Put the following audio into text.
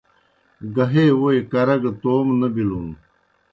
گہے ووئی کرہ گہ توموْ نہ بِلُن۔